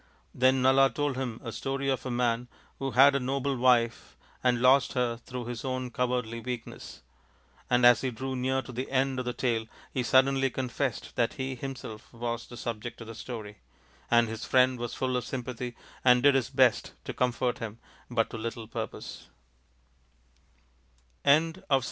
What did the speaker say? Then Nala told him a story of a man who had a noble NALA THE GAMESTER 137 wife and lost her through his own cowardly weak ness, and as he drew near to the end of the tale, he suddenly confessed that he himself was the subject of the story ; and his friend was full of sympathy and did his best to comfort him, but to little purpose.